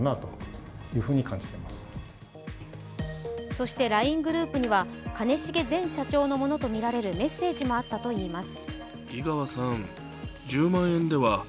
そして、ＬＩＮＥグループには兼重前社長のものとみられるメッセージもあったといいます。